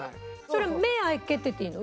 それ目開けてていいの？